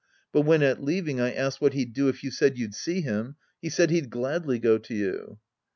But when at leaving I asked what he'd do if you said you'd see him, he said he'd gladly go to you.